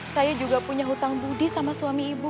saya juga punya hutang budi sama suami ibu